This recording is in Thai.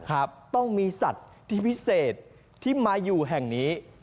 ครับต้องมีสัตว์ที่พิเศษที่มาอยู่แห่งนี้